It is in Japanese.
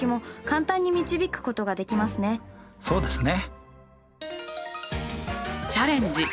そうですね。